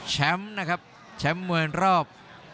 แชมป์นะครับแชมป์มวยรอบ